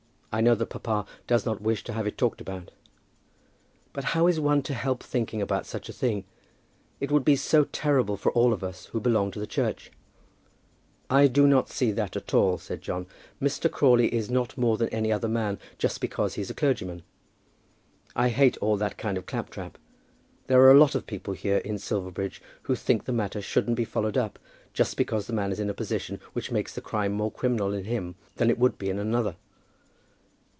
"I know that papa does not wish to have it talked about. But how is one to help thinking about such a thing? It would be so terrible for all of us who belong to the Church." "I do not see that at all," said John. "Mr. Crawley is not more than any other man just because he's a clergyman. I hate all that kind of clap trap. There are a lot of people here in Silverbridge who think the matter shouldn't be followed up, just because the man is in a position which makes the crime more criminal in him than it would be in another."